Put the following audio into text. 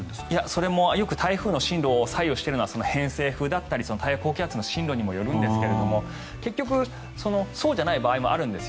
それもよく台風の進路を左右しているのは偏西風だったり太平洋高気圧の進路にもよるんですがそうじゃない場合もあるんです。